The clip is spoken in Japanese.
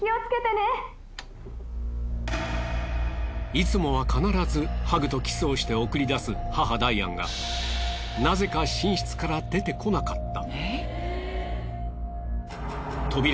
いつもは必ずハグとキスをして送り出す母ダイアンがなぜか寝室から出てこなかった。